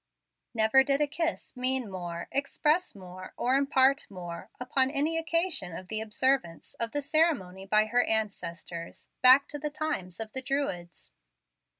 Never did a kiss mean more, express more, or impart more, upon any occasion of the observance of the ceremony by her ancestors, back to the times of the Druids.